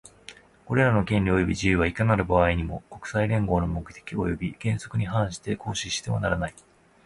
これらの権利及び自由は、いかなる場合にも、国際連合の目的及び原則に反して行使してはならない。